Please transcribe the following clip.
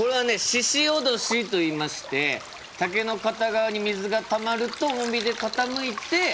鹿おどしといいまして竹の片側に水がたまると重みで傾いて。